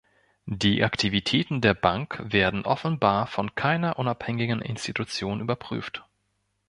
Die Aktivitäten der Bank werden offenbar von keiner unabhängigen Institution überprüft.